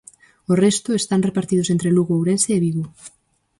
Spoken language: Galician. O resto, están repartidos entre Lugo, Ourense e Vigo.